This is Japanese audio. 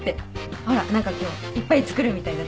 ほら何か今日いっぱい作るみたいだったから。